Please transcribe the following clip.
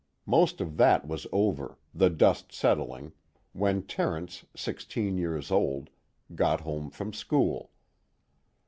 Most of that was over, the dust settling, when Terence, sixteen years old, got home from school.